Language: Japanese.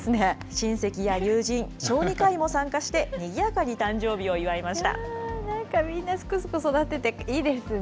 親せきや友人、小児科医も参加して、にぎやかに誕生日を祝いなんかみんなすくすく育ってていいですね。